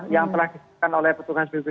yang telah disiapkan oleh petugas bpd